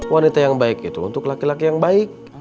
wanita yang baik itu untuk laki laki yang baik